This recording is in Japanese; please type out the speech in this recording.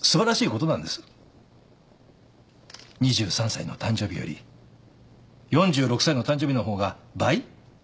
２３歳の誕生日より４６歳の誕生日の方が倍。